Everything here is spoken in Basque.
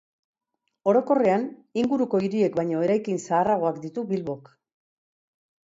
Orokorrean, inguruko hiriek baino eraikin zaharragoak ditu Bilbok.